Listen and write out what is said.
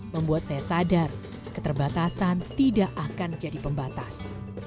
membuat saya sadar keterbatasan tidak akan jadi pembatas